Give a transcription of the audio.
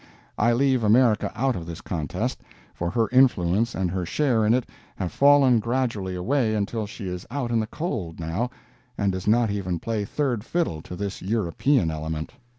I leave America out of this contest, for her influence and her share in it have fallen gradually away until she is out in the cold now, and does not even play third fiddle to this European element.